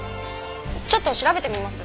ちょっと調べてみます。